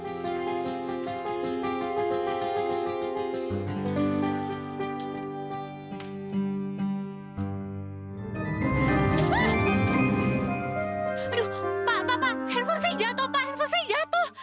aduh pa pa pa handphone saya jatuh pa handphone saya jatuh